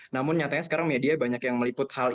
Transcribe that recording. namun nyatanya sekarang media banyak yang meliput hal